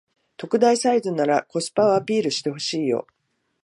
特大サイズならコスパをアピールしてほしいよ